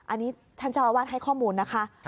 อันนี้ท่านเจ้าอาวาสให้ข้อมูลนะคะ